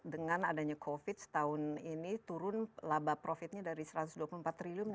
dengan adanya covid tahun ini turun laba profitnya dari satu ratus dua puluh empat triliun